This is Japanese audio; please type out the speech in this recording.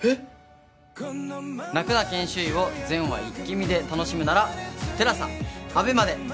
『泣くな研修医』を全話イッキ見で楽しむならＴＥＬＡＳＡＡＢＥＭＡで。